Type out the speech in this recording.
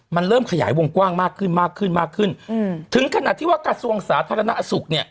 มันเริ่มขยายวงกว้างมากขึ้นถึงขนาดที่ว่ากระทรวงสาธารณสุขเนี่ย